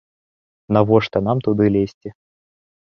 Навошта нам туды лезці?